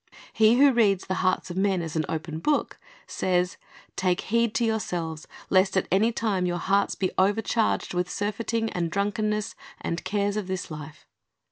"' He who reads the hearts of men as an open book says, "Take heed to your selves, lest at any time your hearts be overcharged with surfeiting and drunkenness and cares of this life."